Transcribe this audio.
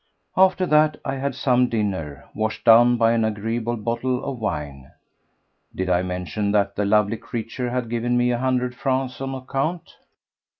After that I had some dinner, washed down by an agreeable bottle of wine—did I mention that the lovely creature had given me a hundred francs on account?